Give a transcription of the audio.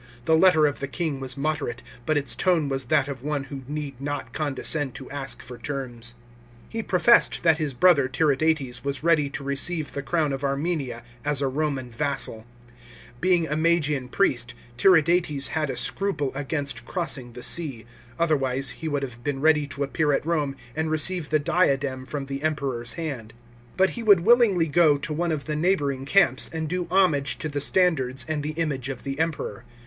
The letter of the king was moderate, but its tone was that of one who need not condescend to ask for terms. He pro fessed that his brother Tiridates was ready to receive the crown of Armenia as a Roman vassal. Being a Marian priest, Tiridates had a scruple against crossing the sea; otherwise he would have been ready to appear at Rome and receive the diadem from the * Tacitus, Ann., XT. 16. 320 THE WAKS FOR ARMENIA. CHAP, xvm Emperor's hand. But he would willingly go to one of the neigh bouring camps, and do homage to the standards and the image of the Emperor.